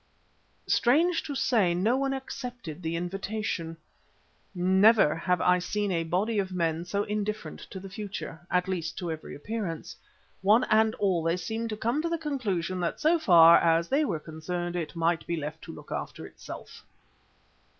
Strange to say no one accepted the invitation. Never have I seen a body of men so indifferent to the future, at least to every appearance. One and all they seemed to come to the conclusion that so far as they were concerned it might be left to look after itself.